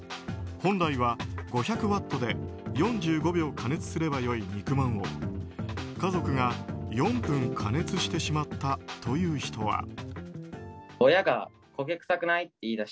本来は５００ワットで４５秒加熱すればよい肉まんを家族が４分加熱してしまったという人は。